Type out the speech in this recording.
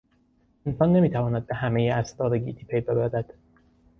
انسان نمیتواند به همهی اسرار گیتی پی ببرد.